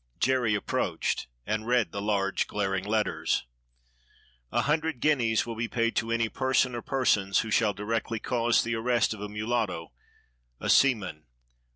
Jerry approached and read the large glaring letters : A hundred guineas will be paid to any person, or persons, who shall directly cause the arrest of a mulatto, a seaman.